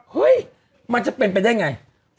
เฮ้ยมันจะเป็นไปได้ไง